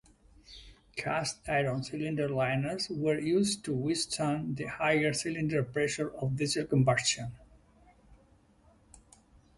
Cast-iron cylinder liners were used to withstand the higher cylinder pressure of Diesel combustion.